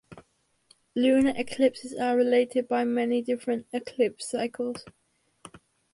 Lunar eclipses are related by many different eclipse cycles.